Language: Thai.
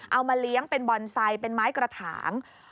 เอามาเลี้ยงเป็นบอนไซต์เป็นไม้กระถาง